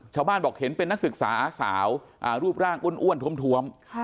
ชาวบ้านบอกเห็นเป็นนักศึกษาอาสาวรูปร่างอ้วนท้วม